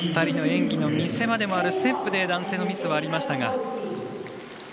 ２人の演技の見せ場でもあるステップで男性のミスはありましたが。